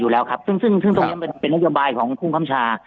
อยู่แล้วครับซึ่งซึ่งตรงนี้มันเป็นนโยบายของภูมิคำชา